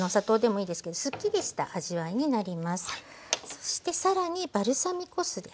そして更にバルサミコ酢ですね。